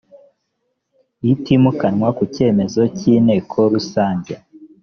itimukanwa ku cyemezo cy inteko rusange